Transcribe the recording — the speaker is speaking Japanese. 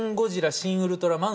「シン・ウルトラマン」